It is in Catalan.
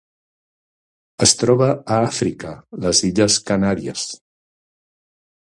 Es troba a Àfrica: les illes Canàries.